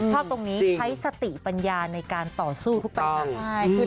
ตรงนี้ใช้สติปัญญาในการต่อสู้ทุกปัญหา